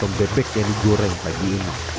dan seratus kg bebek yang digoreng pagi ini